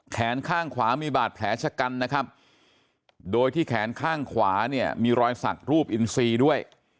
แขนข้างขวามีบาดแผลชะกันนะครับโดยที่แขนข้างขวาเนี่ยมีรอยสักรูปอินซีด้วย